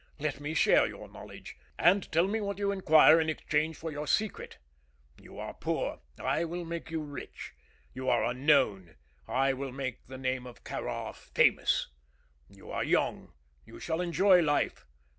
Let me share your knowledge, and tell me what you require in exchange for your secret. You are poor; I will make you rich. You are unknown; I will make the name of Kāra famous. You are young; you shall enjoy life.